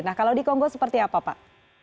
nah kalau di kongo seperti apa pak